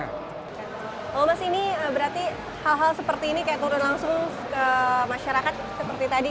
kalau mas ini berarti hal hal seperti ini kayak turun langsung ke masyarakat seperti tadi